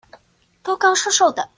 高高瘦瘦的